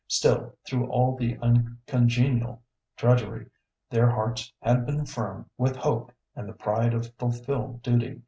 Still, through all the uncongenial drudgery, their hearts had been firm with hope and the pride of fulfilled duty.